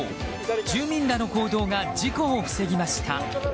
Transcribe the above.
住民らの行動が事故を防ぎました。